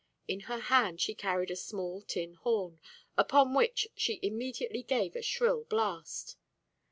In her hand she carried a small tin horn, upon which she immediately gave a shrill blast.